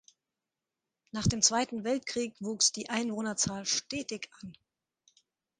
Nach dem Zweiten Weltkrieg wuchs die Einwohnerzahl stetig an.